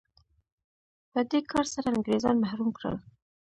په دې کار سره انګرېزان محروم کړل.